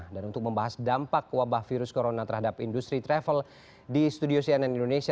dan untuk membahas dampak wabah virus corona terhadap industri travel di studio cnn indonesia